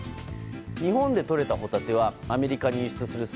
日本でとれたホタテはアメリカに輸出する際